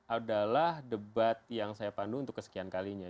adalah debat yang saya pandu untuk kesekian kalinya